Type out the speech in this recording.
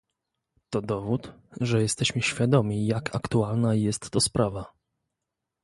To dowód, że jesteśmy świadomi jak aktualna jest to sprawa